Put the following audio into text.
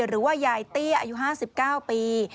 หรือว่ายายเตี้ยอายุ๕๙ปี